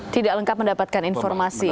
tidak lengkap mendapatkan informasi